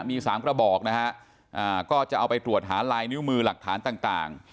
มี๓กระบอกนะฮะก็จะเอาไปตรวจหาลายนิ้วมือหลักฐานต่าง